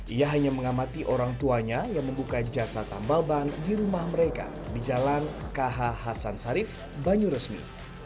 ia hanya mengamati orang tuanya yang membuka jasa tambal ban di rumah mereka di jalan kh hasan sarif banyuresmi